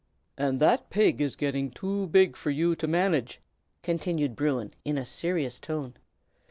"And that pig is getting too big for you to manage," continued Bruin, in a serious tone.